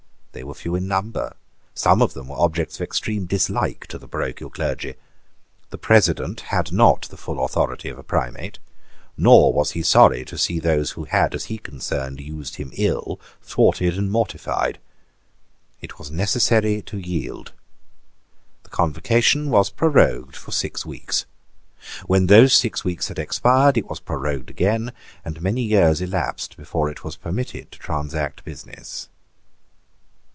They were few in number. Some of them were objects of extreme dislike to the parochial clergy. The President had not the full authority of a primate; nor was he sorry to see those who had, as he concerned, used him ill, thwarted and mortified. It was necessary to yield. The Convocation was prorogued for six weeks. When those six weeks had expired, it was prorogued again; and many years elapsed before it was permitted to transact business.